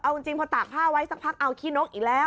เอาจริงพอตากผ้าไว้สักพักเอาขี้นกอีกแล้ว